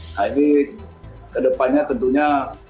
nah ini kedepannya tentunya